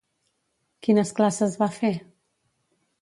Quines classes va fer?